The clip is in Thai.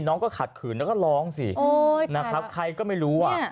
น้องก็ขัดขืนแล้วก็ร้องสินะครับใครก็ไม่รู้อ่ะ